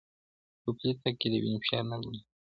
په پلي تګ کي د وینې فشار نه لوړېږي.